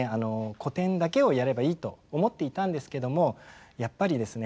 古典だけをやればいいと思っていたんですけどもやっぱりですね